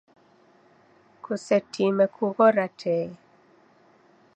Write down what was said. Kusetime kughora tee.